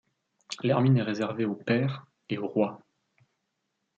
L’hermine est réservée aux pairs et au roi.